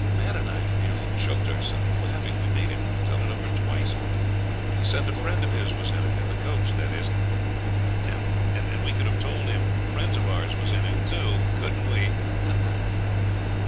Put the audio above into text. Mad and I nearly choked ourselves laughing. We made him tell it over twice. He said a friend of his was in it in the coach, that is and we could have told him friends of ours was in it too, couldn't we?'